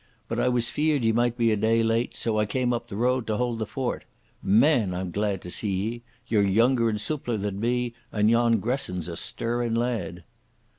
But I was feared ye might be a day late, so I came up the road to hold the fort. Man, I'm glad to see ye. Ye're younger and soopler than me, and yon Gresson's a stirrin' lad."